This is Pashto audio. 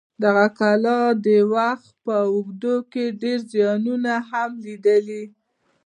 دغې کلا د وخت په اوږدو کې ډېر زیانونه هم لیدلي.